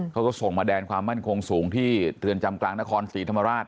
เขาก็ส่งมาแดนความมั่นคงสูงที่เรือนจำกลางนครศรีธรรมราช